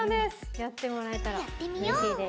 やってもらえたらうれしいです。